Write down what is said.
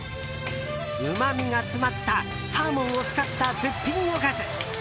うまみが詰まったサーモンを使った絶品おかず。